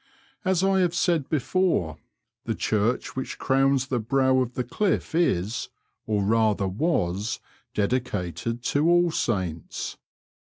As I have said before, the church which crowns the brow of the cliff is, or rather was, dedicated to All Saints.